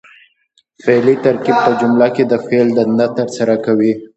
فعلي ترکیب په جمله کښي د فعل دنده ترسره کوي.